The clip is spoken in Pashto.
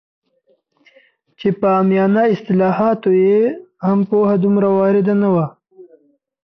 چې په عامیانه اصطلاحاتو یې هم پوهه دومره وارده نه ده